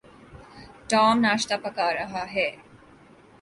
Tom ناشتہ پکھا رہا ہے۔